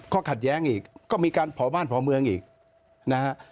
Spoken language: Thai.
ก็ขัดแย้งอีกก็มีการผ่อบ้านผ่อเมืองอีกนะครับ